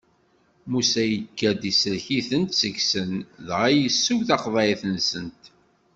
Musa yekker-d isellek-itent seg-sen, dɣa yessew taqeḍɛit-nsent.